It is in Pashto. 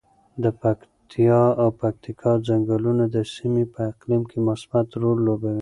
د پکتیا او پکتیکا ځنګلونه د سیمې په اقلیم کې مثبت رول لوبوي.